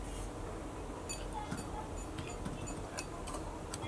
Sin embargo, la primera canción es "me gustaría", con letra y música de Bebe.